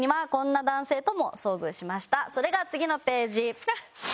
それが次のページ。